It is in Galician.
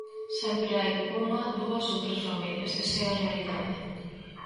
Sempre hai unha, dúas ou tres familias, esa é a realidade.